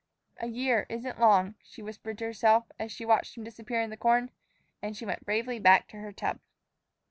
"A year isn't long," she whispered to herself, as she watched him disappear in the corn, and she went bravely back to her tub.